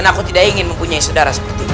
dan aku tidak ingin mempunyai saudara seperti ini